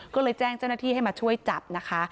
ก็เลยแจ้งเจ้าหน้าที่ให้มาช่วยจับนะคะ